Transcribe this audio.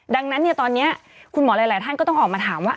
ดังนั้นตอนนี้คุณหมอหลายท่านก็ต้องออกมาถามว่า